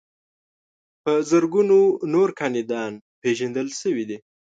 په زرګونو نور کاندیدان پیژندل شوي دي.